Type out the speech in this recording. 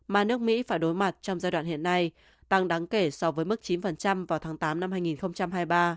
mà nước mỹ phải đối mặt trong giai đoạn hiện nay tăng đáng kể so với mức chín vào tháng tám năm hai nghìn hai mươi ba